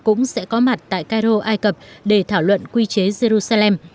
cũng sẽ có mặt tại cairo ai cập để thảo luận quy chế jerusalem